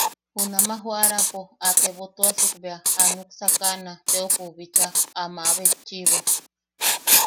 Junamaʼa joʼarapo a tebotuasuk bea a nuksakaʼana teopou bicha, a maʼa betchiʼibo.